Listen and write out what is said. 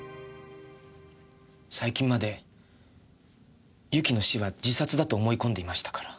最近まで由紀の死は自殺だと思い込んでいましたから。